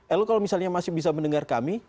elo kalau misalnya masih bisa mendengar kami